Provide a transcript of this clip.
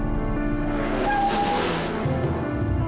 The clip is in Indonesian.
aku beristirahat juga